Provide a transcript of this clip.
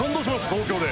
東京で。